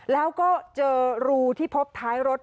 แล้วก็เจอรูที่พบท้ายรถ